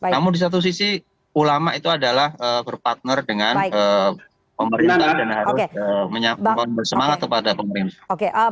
namun di satu sisi ulama itu adalah berpartner dengan pemerintah dan harus menyampaikan bersemangat kepada pemerintah